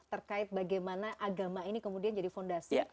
terkait bagaimana agama ini kemudian jadi fondasi